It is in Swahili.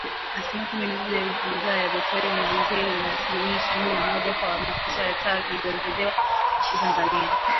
Asilimia kumi na moja kwa bidhaa ya petroli na dizeli, na asilimia ishirini na moja kwa mafuta ya taa iliongezwa Inchi Tanzania